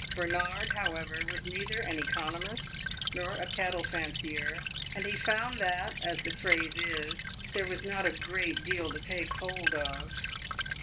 Bernard, however, was neither an economist nor a cattle fancier, and he found that, as the phrase is, there was not a great deal to take hold of.